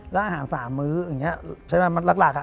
แล้วอาหารสามมื้ออย่างเงี้ยใช่มั้ยมันหลักค่ะ